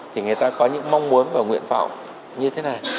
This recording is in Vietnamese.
thì người ta có những mong muốn và nguyện vọng như thế này